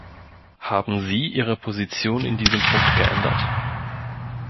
Haben Sie Ihre Position in diesem Punkt geändert?